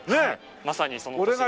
まさにその年に。